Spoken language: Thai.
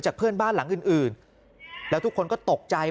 เพื่อนบ้านหลังอื่นแล้วทุกคนก็ตกใจ